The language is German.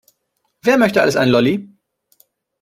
Wer möchte alles einen Lolli?